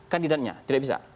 kandidatnya tidak bisa